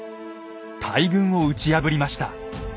大軍を打ち破りました。